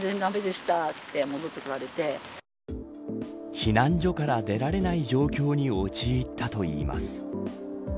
避難所から出られない状況に陥ったといいます。